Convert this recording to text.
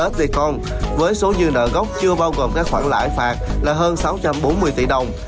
stcom với số dư nợ gốc chưa bao gồm các khoản lãi phạt là hơn sáu trăm bốn mươi tỷ đồng